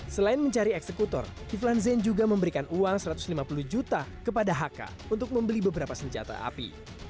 selain mencari eksekutor kiflan zain juga memberikan uang satu ratus lima puluh juta kepada hk untuk membeli beberapa senjata api